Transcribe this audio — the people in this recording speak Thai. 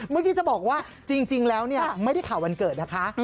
เมื่อกี้จะบอกว่าจริงแล้วเนี่ยไม่ได้ข่าววันเกิดนะคะ